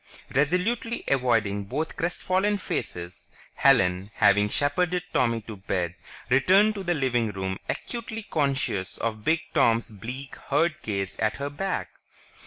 Resolutely avoiding both crestfallen faces, Helen, having shepherded Tommy to bed, returned to the living room acutely conscious of Big Tom's bleak, hurt gaze at her back.